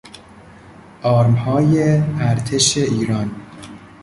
آرمهای ارتش ایران